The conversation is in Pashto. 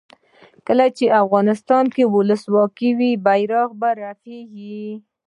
کله چې افغانستان کې ولسواکي وي بیرغ رپیږي.